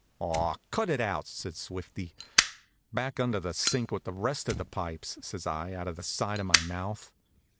"Aw, cut it out!" says Swifty. "Back under the sink with the rest of the pipes," says I, out of the side of my mouth.